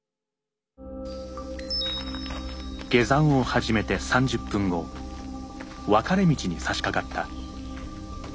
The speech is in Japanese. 下山を始めて３０分後分かれ道にさしかかった。